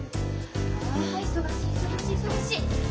あ忙しい忙しい忙しい。